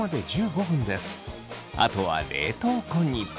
あとは冷凍庫に。